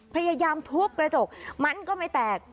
พยายามทุบกระจกมันก็ไม่แตก